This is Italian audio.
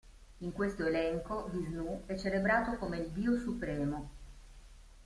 In questo elenco Visnù è celebrato come il Dio Supremo.